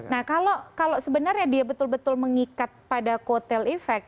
nah kalau sebenarnya dia betul betul mengikat pada kotel efek